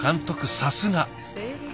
さすが。